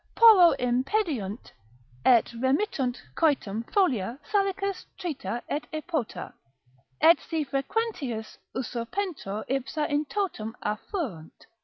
Porro impediunt et remittunt coitum folia salicis trita et epota, et si frequentius usurpentur ipsa in totum auferunt.